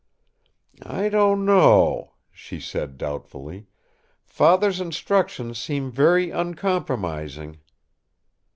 "I don't know," she said doubtfully. "Father's instructions seem very uncompromising."